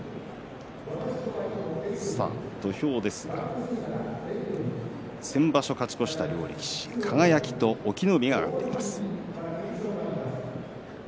土俵ですが先場所勝ち越した両力士輝と隠岐の海が上がっています。